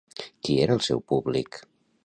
Qui era el seu públic?